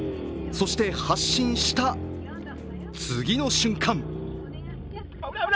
そして発進した、次の瞬間。